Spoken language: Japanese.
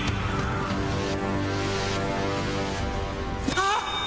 あっ！